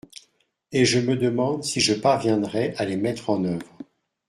Et je me demande si je parviendrai à les mettre en oeuvre.